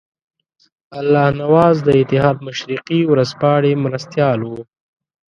الله نواز د اتحاد مشرقي ورځپاڼې مرستیال وو.